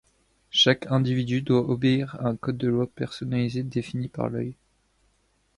Chaque individu doit obéir à un code de loi personnalisé défini par l'Œil.